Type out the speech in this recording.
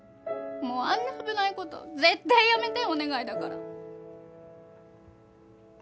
もうあんな危ない事絶対やめてお願いだから。